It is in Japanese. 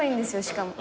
しかも。